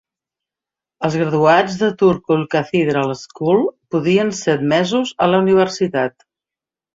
Els graduats de Turku Cathedral School podien ser admesos a la universitat.